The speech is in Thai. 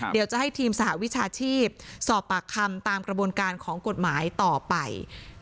เดี๋ยวจะให้ทีมสหวิชาชีพสอบปากคำตามกระบวนการของกฎหมายต่อไป